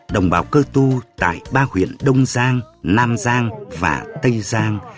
đồng bào cơ tu tại ba huyện đông giang nam giang và tây giang